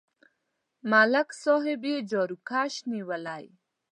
ملک صاحب یې جاروکش نیولی.